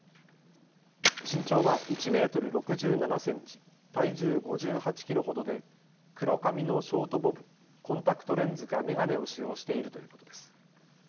身長は１メートル６７センチ、体重５８キロほどで黒髪のショートボブ、コンタクトレンズか眼鏡を使用しているということです。